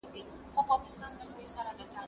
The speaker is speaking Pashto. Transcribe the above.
زه به لیکل کړي وي؟